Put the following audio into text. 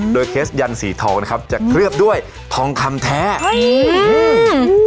โดยเคสยันสีทองนะครับจะเคลือบด้วยทองคำแท้อุ้ยอืม